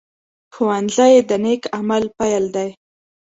ښوونځی د نیک عمل پيل دی